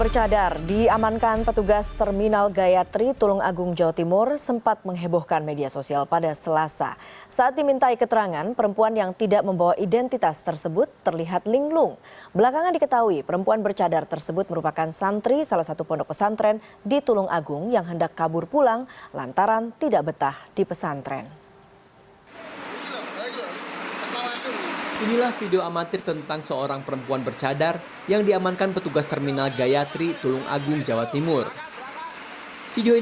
cnn indonesia breaking news